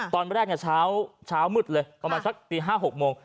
ตอนแรกเนี่ยเช้าเช้ามืดเลยครับประมาณสักตีห้าหกโมง